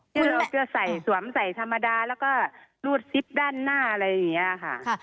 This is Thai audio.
คือเราจะใส่สวมใส่ธรรมดาแล้วก็รูดซิปด้านหน้าอะไรอย่างนี้ค่ะ